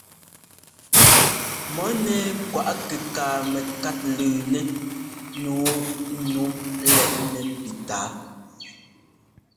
Mɔ nɛ́ɛ kwaꞌ kɛkaa mɛ́kát lʉʉnɛ́ nǔu nu lɛ́ꞌ nɛpí tǎa.